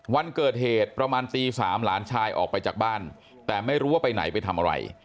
วันเกิดเหตุประมาณตี๓หลานชายออกไปจากบ้านแต่ไม่รู้ว่าไปไหนไปทำอะไร